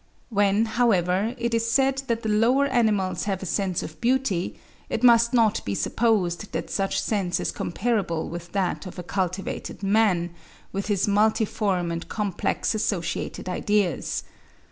When, however, it is said that the lower animals have a sense of beauty, it must not be supposed that such sense is comparable with that of a cultivated man, with his multiform and complex associated ideas.